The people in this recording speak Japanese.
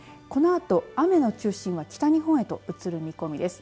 このあと、雨の中心は北日本へと移る見込みです。